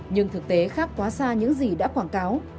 nhưng thực tế khác quá xa những gì đã quảng cáo